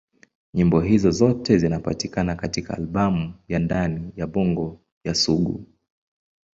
Nyimbo hizo zote zinapatikana katika albamu ya Ndani ya Bongo ya Sugu.